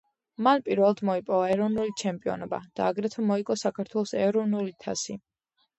მან პირველად მოიპოვა ეროვნული ჩემპიონობა, და აგრეთვე მოიგო საქართველოს ეროვნული თასი.